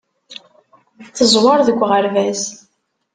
Teẓwer deg uɣerbaz.